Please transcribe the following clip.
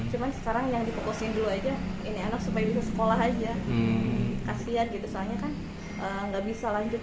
cuma sekarang yang dipokusin dulu aja ini anak supaya bisa sekolah aja